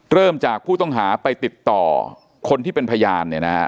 เริ่มจากผู้ต้องหาไปติดต่อคนที่เป็นพยานเนี่ยนะฮะ